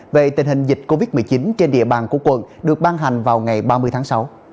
về tình hình dịch covid một mươi chín trên địa bàn của quận được ban hành vào ngày ba mươi tháng sáu